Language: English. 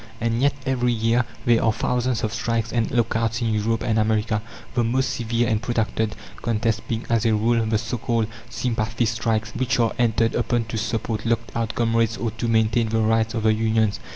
And yet, every year there are thousands of strikes and lock outs in Europe and America the most severe and protracted contests being, as a rule, the so called "sympathy strikes," which are entered upon to support locked out comrades or to maintain the rights of the unions.